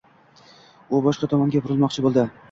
U boshqa tomonga burilmoqchi boʻldi.